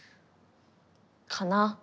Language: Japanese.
かな。